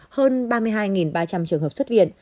hơn ba mươi hai ba trăm linh trường hợp xuất viện